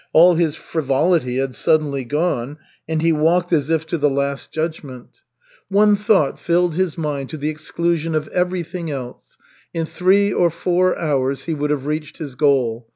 All his frivolity had suddenly gone, and he walked as if to the Last Judgment. One thought filled his mind to the exclusion of everything else. In three or four hours he would have reached his goal.